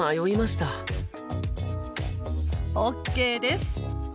ＯＫです！